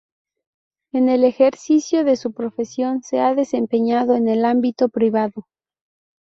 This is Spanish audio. En el ejercicio de su profesión se ha desempeñado en el ámbito privado.